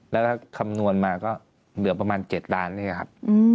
แล้วก็คำนวณมาก็เหลือประมาณ๗ล้านเนี่ยครับ